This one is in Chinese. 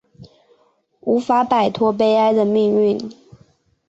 无法摆脱悲哀的命运